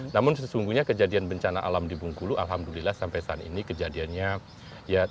namun sesungguhnya kejadian bencana alam di bengkulu alhamdulillah sampai saat ini kejadiannya ya